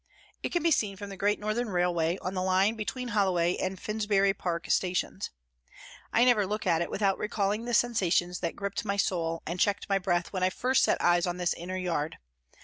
It can be seen from the Great Northern Railway on the line between Holloway and Finsbury Park Stations. I never look at it without recalling the sensations that gripped my soul and checked my breath when I first set eyes on this inner yard.